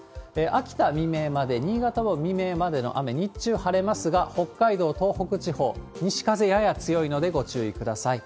秋田、未明まで、新潟も未明までの雨、日中晴れますが、北海道、東北地方、西風やや強いので、ご注意ください。